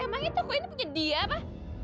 emang ini toko ini punya dia apa